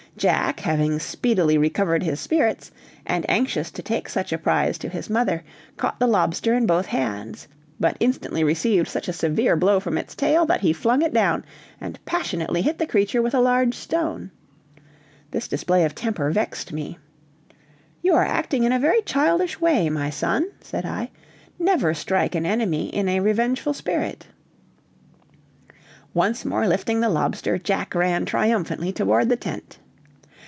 Jack, having speedily recovered his spirits, and anxious to take such a prize to his mother, caught the lobster in both hands, but instantly received such a severe blow from its tail that he flung it down, and passionately hit the creature with a large stone. This display of temper vexed me. "You are acting in a very childish way, my son," said I; "never strike an enemy in a revengeful spirit." Once more lifting the lobster, Jack ran triumphantly toward the tent.